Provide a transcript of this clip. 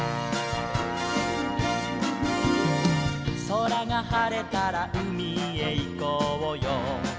「そらがはれたらうみへいこうよ」